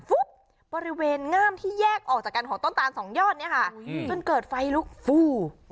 บริเวณง่ามที่แยกออกจากกันของต้นตาลสองยอดเนี่ยค่ะจนเกิดไฟลุกฟู